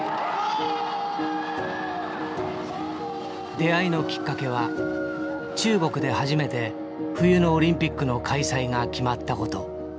出会いのきっかけは中国で初めて冬のオリンピックの開催が決まったこと。